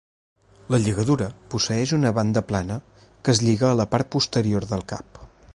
La lligadura posseeix una banda plana que es lliga a la part posterior del cap.